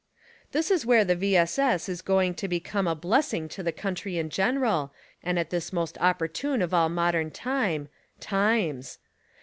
This is where the V. S. S. is going to become a blessing to the country in general and at this most opportune of all modern time, times.